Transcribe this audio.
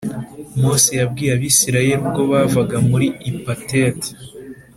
Mose yabwiye Abisirayeli ubwo bavaga muri ipatert